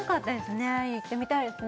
行ってみたいですね